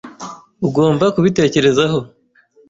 Ugomba kubitekerezaho.